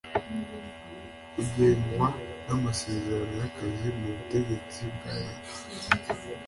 ugengwa n’amasezerano y’akazi mu butegetsi bwa leta